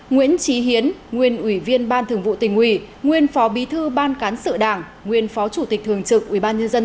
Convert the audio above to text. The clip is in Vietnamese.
nguyễn trí hiến nguyên ủy viên ban thường vụ tỉnh ủy nguyên phó bí thư ban cán sự đảng nguyên phó chủ tịch thường trực ubnd